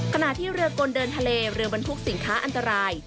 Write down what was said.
ขณะที่เรือกลเดินทะเลเรือบรรทุกสินค้าอันตราย